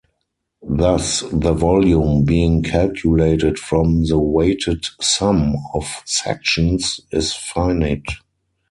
Thus the volume, being calculated from the 'weighted sum' of sections, is finite.